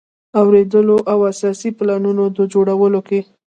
اوریدلو او اساسي پلانونو د جوړولو کې.